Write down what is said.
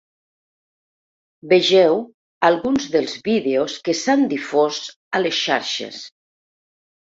Vegeu alguns dels vídeos que s’han difós a les xarxes.